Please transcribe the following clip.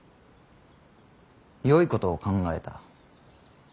よいことを考えた。